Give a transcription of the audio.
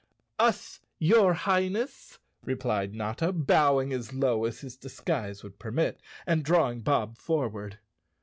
"Us, your Highness!" replied Notta, bowing as low as his disguise would permit, and drawing Bob for¬ ward.